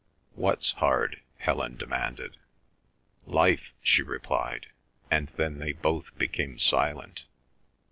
"What's hard?" Helen demanded. "Life," she replied, and then they both became silent.